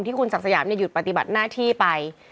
คุณศักดิ์สยามหยุดปฏิบัติหน้าที่ไป